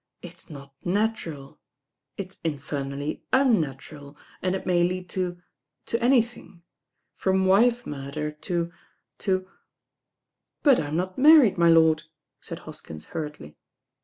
It's not natural. It's infernally unnatural, and it may lead to— to anything. From wife murder to "But I'm not married, my lord," said Hoskins hurriedly.